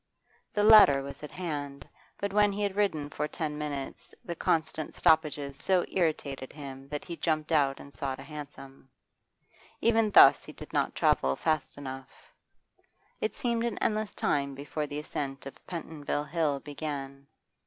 The latter was at hand, but when he had ridden for ten minutes the constant stoppages so irritated him that he jumped out and sought a hansom. Even thus he did not travel fast enough; it seemed an endless time before the ascent of Pentonville Hill began.